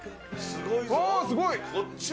すごい。